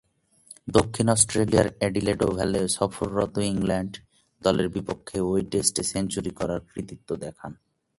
দক্ষিণ অস্ট্রেলিয়ার অ্যাডিলেড ওভালে সফররত ইংল্যান্ড দলের বিপক্ষে ঐ টেস্টে সেঞ্চুরি করার কৃতিত্ব দেখান।